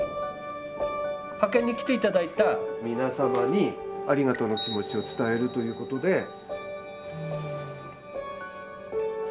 派遣に来て頂いた皆さまにありがとうの気持ちを伝えるということで。